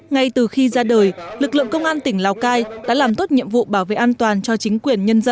ngay từ khi ra đời lực lượng công an tỉnh lào cai đã làm tốt nhiệm vụ bảo vệ an toàn cho chính quyền nhân dân